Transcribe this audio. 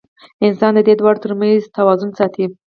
انسان د دې دواړو تر منځ توازن ساتي.